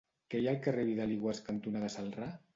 Què hi ha al carrer Vidal i Guasch cantonada Celrà?